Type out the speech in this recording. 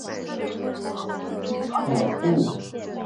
所属的相扑部屋是出羽海部屋。